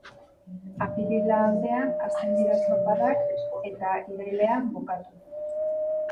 Apirila aldean hasten dira estropadak eta irailean bukatu.